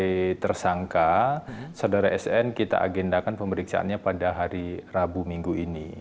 jadi tersangka saudara sn kita agendakan pemeriksaannya pada hari rabu minggu ini